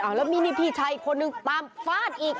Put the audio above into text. อ่ะแล้วมีนิพิชัยอีกคนหนึ่งตามฟาดอีก